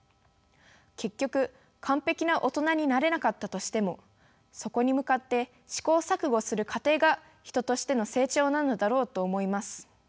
結局完璧な大人になれなかったとしてもそこに向かって試行錯誤する過程が人としての成長なのだろうと思います。